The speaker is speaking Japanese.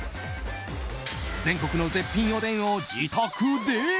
全国の絶品おでんを自宅で！